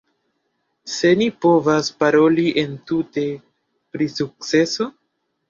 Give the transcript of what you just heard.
Se ni povas paroli entute pri sukceso?